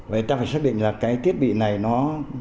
vậy ta phải xác định là cái thiết bị này nó